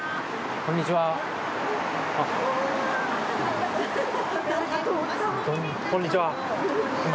こんにちは今。